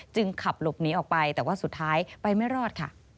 จึงขับหลบหนีออกไปแต่สุดท้ายไปไม่รอด